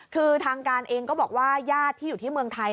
คือทางการเองก็บอกว่าญาติที่อยู่ที่เมืองไทย